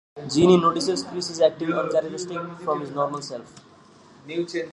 Jeannie notices Chris is acting uncharacteristic from his normal self.